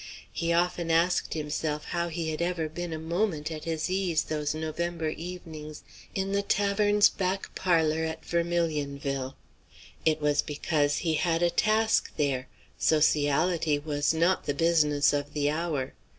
He often asked himself how he had ever been a moment at his ease those November evenings in the tavern's back parlor at Vermilionville. It was because he had a task there; sociality was not the business of the hour.